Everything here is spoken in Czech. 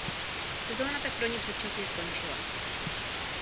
Sezóna tak pro ni předčasně skončila.